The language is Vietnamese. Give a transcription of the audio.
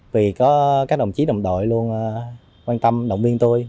vì có các đồng chí đồng đội luôn quan tâm động viên tôi